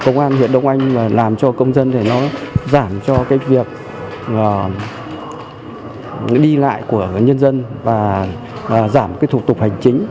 công an huyện đông anh làm cho công dân giảm cho việc đi lại của nhân dân và giảm thủ tục hành chính